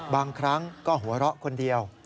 บางครั้งก็หัวเราะคนเดียว